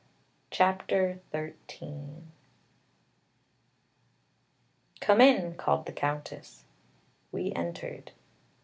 CHAPTER XIII "Come in," called the Countess. We entered.